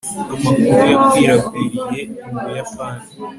amakuru yakwirakwiriye mu buyapani